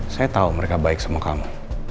saya tahu mereka baik sama kamu